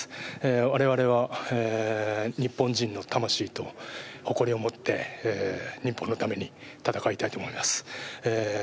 われわれは日本人の魂と誇りを持って日本のために戦いたいと思います。